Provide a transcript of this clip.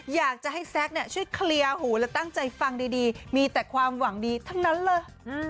อยากจะให้แซคช่วยเคลียร์หูและตั้งใจฟังดีมีแต่ความหวังดีทั้งนั้นเลย